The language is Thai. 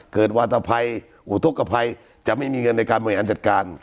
วาตภัยอุทธกภัยจะไม่มีเงินในการบริหารจัดการ